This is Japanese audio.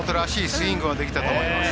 スイングはできたと思います。